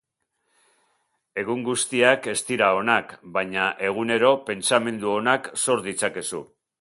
Egun guztiak ez dira onak baina egunero pentsamendu onak sor ditzakezu.